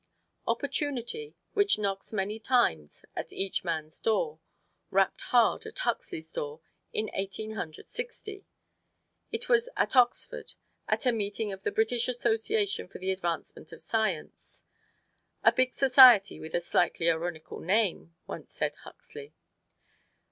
Opportunity, which knocks many times at each man's door, rapped hard at Huxley's door in Eighteen Hundred Sixty. It was at Oxford, at a meeting of the British Association for the Advancement of Science: "A big society with a slightly ironical name," once said Huxley.